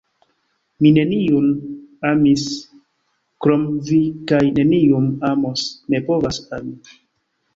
Mi neniun amis krom vi kaj neniun amos, ne povas ami!